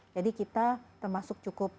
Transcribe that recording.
jadi kita termasuk cukup